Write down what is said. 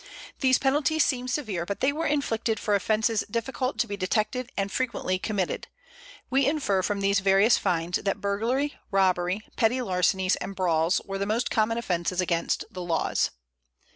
These penalties seem severe, but they were inflicted for offences difficult to be detected and frequently committed. We infer from these various fines that burglary, robbery, petty larcenies, and brawls were the most common offences against the laws.